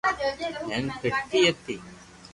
ھيين پھرتي ھتي